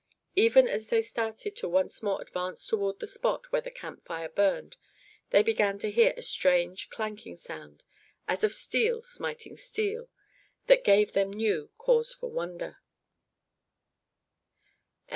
Even as they started to once more advance toward the spot where the camp fire burned, they began to hear a strange clanking sound, as of steel smiting steel, that gave them new cause for wonder.